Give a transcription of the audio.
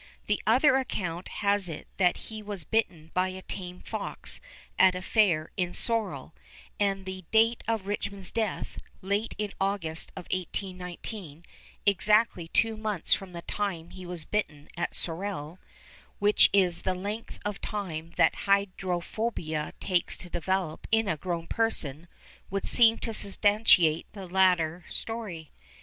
The other account has it that he was bitten by a tame fox at a fair in Sorel, and the date of Richmond's death, late in August of 1819, exactly two months from the time he was bitten at Sorel, which is the length of time that hydrophobia takes to develop in a grown person, would seem to substantiate the latter story.